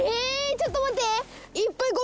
ちょっと待って。